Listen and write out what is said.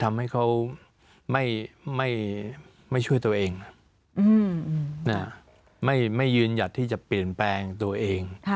ไม่ยืนอยากที่จะเปลี่ยนแปลงตัวเอง